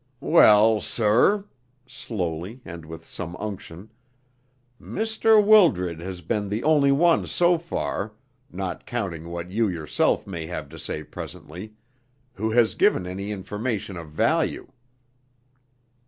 "Well, sir" slowly, and with some unction "Mr. Wildred has been the only one so far not counting what you yourself may have to say presently who has given any information of value."